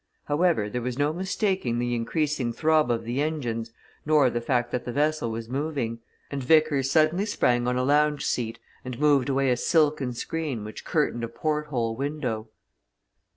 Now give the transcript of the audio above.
However, there was no mistaking the increasing throb of the engines nor the fact that the vessel was moving, and Vickers suddenly sprang on a lounge seat and moved away a silken screen which curtained a port hole window.